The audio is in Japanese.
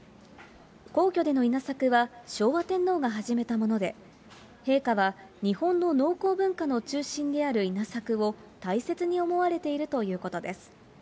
皇居での稲作は昭和天皇が始めたもので、陛下は日本の農耕文化の中心である稲作を大切に思われているということです。